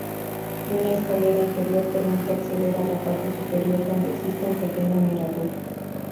Una escalera interior permite acceder a la parte superior, donde existe un pequeño mirador.